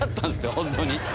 本当に。